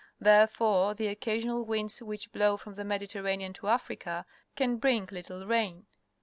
Therefore the occasional winds which blow from the jNIediterranean to Africa can bring little rain.